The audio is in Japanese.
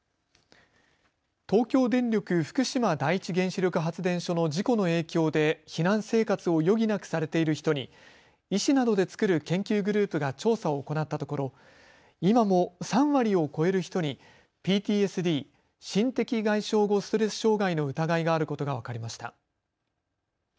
東京電力福島第一原子力発電所の事故の影響で避難生活を余儀なくされている人に医師などで作る研究グループが調査を行ったところ今も３割を超える人にＰＴＳＤ・心的外傷後ストレス障害の疑いがあることが分かりました。